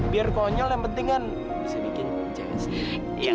biar konyol yang penting kan bisa bikin chance